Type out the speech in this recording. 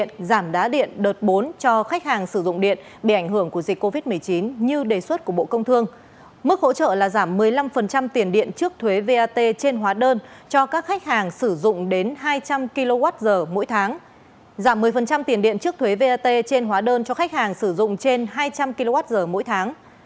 tiền điện trước thuế vat trên hóa đơn cho khách hàng sử dụng trên hai trăm linh kwh mỗi tháng